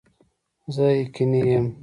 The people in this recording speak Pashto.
زه یقیني یم